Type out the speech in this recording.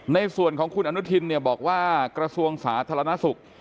ในส่วนของคุณอนุทินบอกว่ากระทรวงศาสตร์ธรรมนาศุกร์